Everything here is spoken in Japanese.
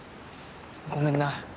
ごめんな。